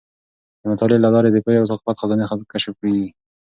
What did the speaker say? د مطالعې له لارې د پوهې او ثقافت خزانې کشف کیږي.